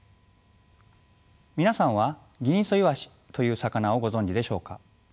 皆さんはギンイソイワシという魚をご存じでしょうか？